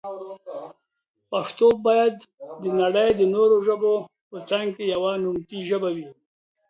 پښتو بايد دنړی د نورو ژبو په څنګ کي يوه نوموتي ژبي وي.